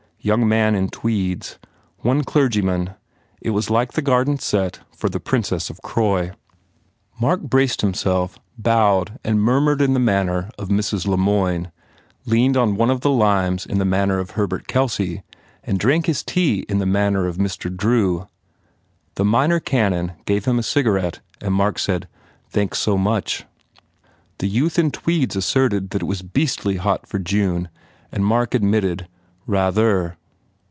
Young man in tweeds. One clergyman. It was like the garden set for the "Princess of Croy." Mark braced himself, bowed and murmured in the manner of Mrs. LeMoyne, leaned on one of the limes in the manner of Herbert Kelcey, and drank his tea in the manner of Mr. Drew. The minor canon gave him a cigarette and Mark said, "Thanks so much." The youth in tweeds asserted that it was beastly hot for June and Mark admitted, "Rather."